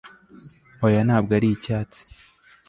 oya ntabwo ari icyatsi